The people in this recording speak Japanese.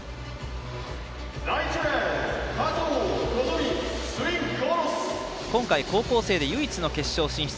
加藤、今回、高校生で唯一の決勝進出。